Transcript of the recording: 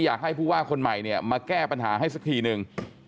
อยากให้ผู้ว่าคนใหม่เนี่ยมาแก้ปัญหาให้สักทีนึง